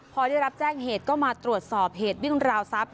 พอได้รับแจ้งเหตุก็มาตรวจสอบเหตุวิ่งราวทรัพย